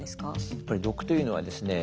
やっぱり毒というのはですね